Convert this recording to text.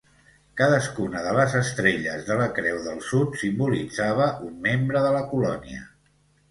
Cadascuna de les estrelles de la Creu del Sud simbolitzava un membre de la colònia.